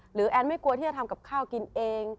แอนไม่กลัวที่จะทำกับข้าวกินเอง